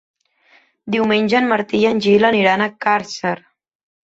Diumenge en Martí i en Gil aniran a Càrcer.